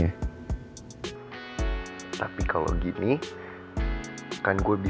itu diaometrisan kamu